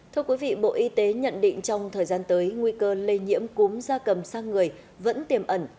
thưa quý vị bộ y tế nhận định trong thời gian tới nguy cơ lây nhiễm cúm da cầm sang người vẫn tiềm ẩn